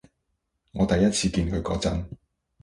我第一次見佢嗰陣